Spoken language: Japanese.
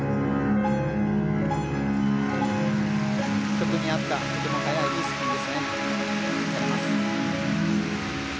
曲に合ったとても速いいいスピンですね。